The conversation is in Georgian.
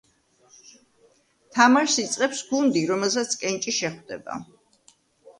თამაშს იწყებს გუნდი, რომელსაც კენჭი შეხვდება.